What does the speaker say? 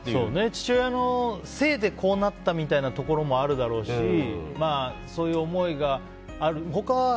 父親のせいでこうなったみたいなところもあるだろうしそういう思いがある。